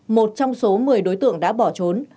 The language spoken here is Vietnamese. một trong số một mươi đối tượng đã bỏ trốn